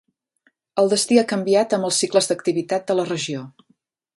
El destí ha canviat amb els cicles d'activitat de la regió.